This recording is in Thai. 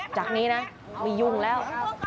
จากนี้นะไม่ยุ่งแล้ว